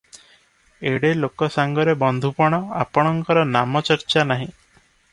ଏଡେ ଲୋକ ସାଙ୍ଗରେ ବନ୍ଧୁପଣ - ଆପଣଙ୍କର ନାମ ଚର୍ଚ୍ଚା ନାହିଁ ।